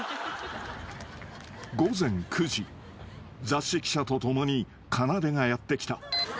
［雑誌記者と共にかなでがやって来た］